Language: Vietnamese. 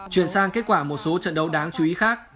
chuyển sang kết quả một số trận đấu đáng chú ý khác